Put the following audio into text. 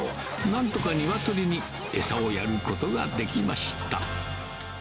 なんとかニワトリに餌をやることができました。